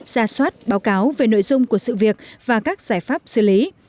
ra soát báo cáo về nội dung của sự việc và các giải pháp xử lý